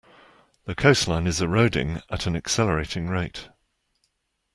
The coastline is eroding at an accelerating rate.